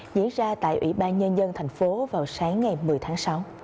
diễn ra tại ủy ban nhân dân tp vào sáng ngày một mươi tháng sáu